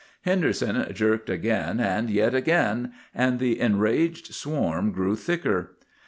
"Henderson jerked again and yet again, and the enraged swarm grew thicker.